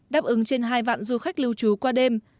đáp ứng trên hai vạn du khách lưu trú qua đêm